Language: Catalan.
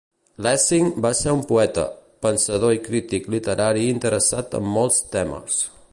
Lessing va ser un poeta, pensador i crític literari interessat en molts temes.